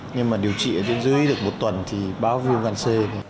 nhưng mà điều trị ở trên dưới được một tuần thì báo viêm gan c